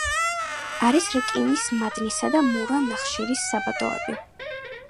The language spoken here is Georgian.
არის რკინის მადნისა და მურა ნახშირის საბადოები.